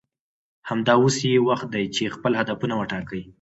همدا اوس یې وخت دی چې خپل هدفونه وټاکئ